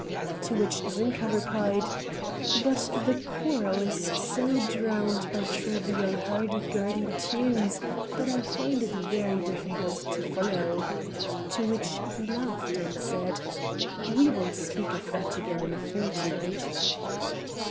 To which Zinka replied: "But the choral is so drowned by trivial hurdy gurdy tunes that I find it very difficult to follow." To which he laughed and said: "We will speak of that again in a fortnight."